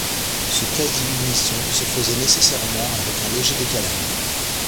Ce quasi-unisson se faisait nécessairement avec un léger décalage.